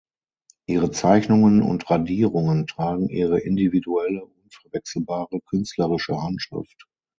Ihre Zeichnungen und Radierungen tragen ihre individuelle, unverwechselbare künstlerische Handschrift.